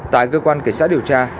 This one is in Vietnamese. tại cơ quan kể sát điều tra